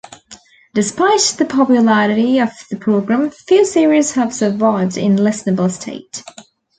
Despite the popularity of the program, few series have survived in a listenable state.